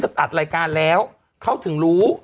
ตัดรายการแล้วเขาถึงรู้